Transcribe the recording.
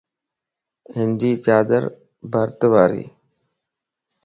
ھنجي چادر برت واريَ